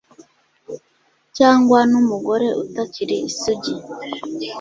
cyangwa n'umugore utakiri isugi